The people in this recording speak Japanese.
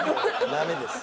ダメです。